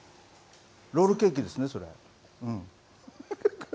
ロールケーキですね、それ。